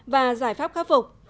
và giải pháp khắc phục